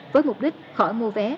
với mục đích khỏi mua vé